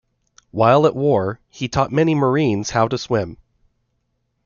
While at war, he taught many Marines how to swim.